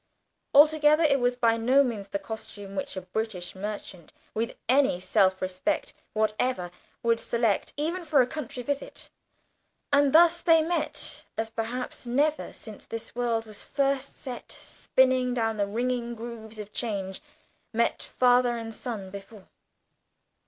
Altogether, it was by no means the costume which a British merchant, with any self respect whatever, would select, even for a country visit. And thus they met, as perhaps never, since this world was first set spinning down the ringing grooves of change, met father and son before!